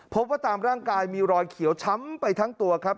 พบว่าตามร่างกายมีรอยเขียวช้ำไปทั้งตัวครับ